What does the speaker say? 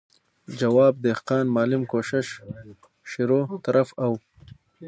جواب، دهقان، معلم، کوشش، شروع، طرف او ...